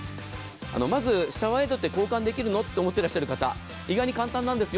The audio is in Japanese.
まずシャワーヘッドって交換できるの？って思っていらっしゃる方意外に簡単なんですよ。